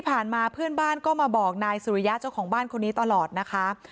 ที่ผ่านมาเพื่อนบ้านก็มาบอกนายสุริยะเจ้าของบ้านคนนี้ตลอดนะคะ